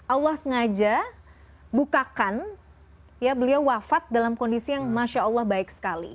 allah sengaja bukakan ya beliau wafat dalam kondisi yang masya allah baik sekali